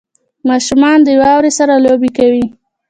• ماشومان د واورې سره لوبې کوي.